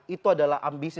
itu adalah ambisi